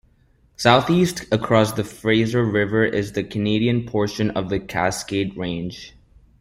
Southeast across the Fraser River is the Canadian portion of the Cascade Range.